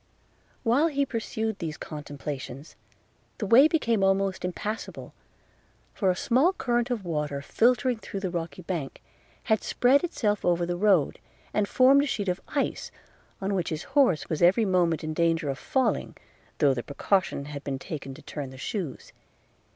While he pursued these contemplations, the way became almost impassable; for a small current of water filtering through the rocky bank, had spread itself over the road, and formed a sheet of ice, on which his horse was every moment in danger of falling, though the precaution had been taken to turn the shoes.